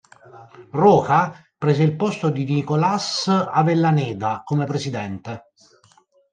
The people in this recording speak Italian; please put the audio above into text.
Roca prese il posto di Nicolás Avellaneda come presidente.